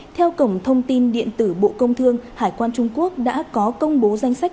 theo cổng thông tin điện tử bộ công thương hải quan trung quốc đã có công bố danh sách